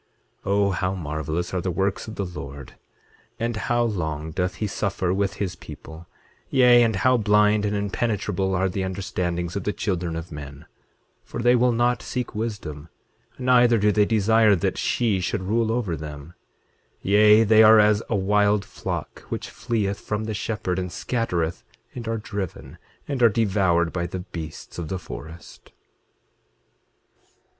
8:20 O how marvelous are the works of the Lord, and how long doth he suffer with his people; yea, and how blind and impenetrable are the understandings of the children of men; for they will not seek wisdom, neither do they desire that she should rule over them! 8:21 Yea, they are as a wild flock which fleeth from the shepherd, and scattereth, and are driven, and are devoured by the beasts of the forest.